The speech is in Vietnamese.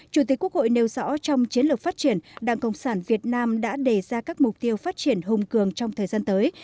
chủ tịch quốc hội nêu rõ trong chiến lược phát triển đảng cộng sản việt nam đã đề ra các mục tiêu phát triển hùng cường trong thời gian tới